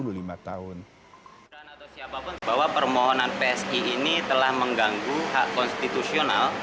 bahwa permohonan psi ini telah mengganggu hak konstitusi